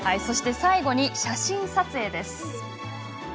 そして最後に写真撮影です。